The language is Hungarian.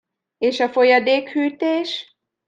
És a folyadékhűtés?